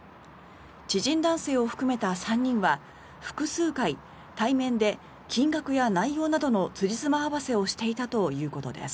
知人男性を含めた３人は複数回、対面で金額や内容などのつじつま合わせをしていたということです。